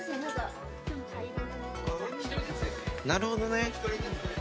なるほどね。